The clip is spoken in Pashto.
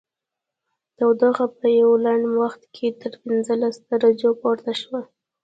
تودوخه په یوه لنډ وخت کې تر پنځلس درجو پورته شوه